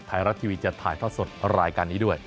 ไทยรัฐทีวีจะถ่ายทอดสดรายการนี้ด้วย